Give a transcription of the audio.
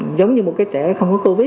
là giống như một cái trẻ không có covid